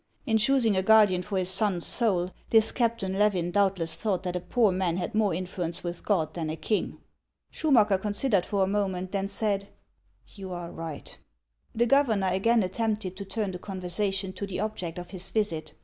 " In choosing a guardian for his son's soul, this Captain Levin doubtless thought that a poor man had more influence with God than a king." Schumacker considered for a moment, then said :" You are right." The governor again attempted to turn the conversation to the object of his visit.